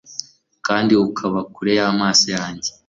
kandi ukaba kure y'amaso yanjye